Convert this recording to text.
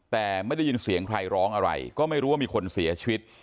แต่ไม่ได้ยินเสียงใครร้องอะไรก็ไม่รู้ว่ามีคนเสียชีวิต